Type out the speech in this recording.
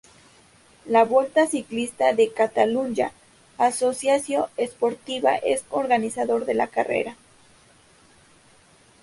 La Volta Ciclista a Catalunya Associació Esportiva es el organizador de la carrera.